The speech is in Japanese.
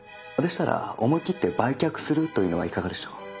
でしたら思い切って売却するというのはいかがでしょう？